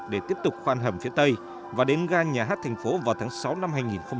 để tiếp tục khoan hầm phía tây và đến gà nhà hát thành phố vào tháng sáu năm hai nghìn một mươi tám